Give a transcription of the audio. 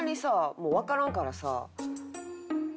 もうわからんからさ。